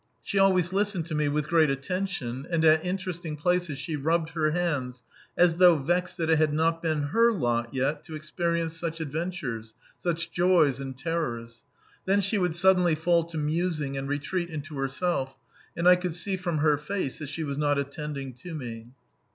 She always listened to me with great attention, and at interesting places she rubbed her hands as though vexed that it had not yet been her lot to experience such adventures, such joys and terrors. Then she would suddenly fall to musing and retreat into herself, and I could see from her face that she was not attending to me.